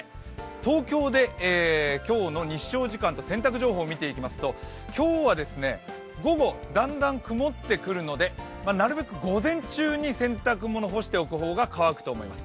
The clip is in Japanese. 東京で今日の日照時間と洗濯情報を見ていきますと今日は午後、だんだん曇ってくるので、なるべく午前中に洗濯物を干しておく方が乾くと思います。